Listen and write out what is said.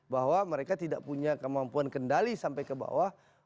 bahwa mereka tidak punya kemampuan kendali sampai ke bawah